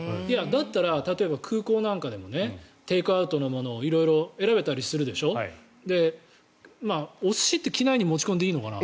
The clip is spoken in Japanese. だったら例えば、空港なんかでもテイクアウトのものを色々、選べたりしてお寿司って機内に持ち込んでいいのかな？